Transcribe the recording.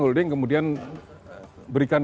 holding kemudian berikan